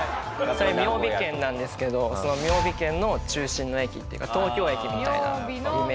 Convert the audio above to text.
それ雅美県なんですけどその雅美県の中心の駅っていうか東京駅みたいなイメージ。